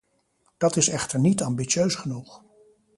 Dat is echter niet ambitieus genoeg.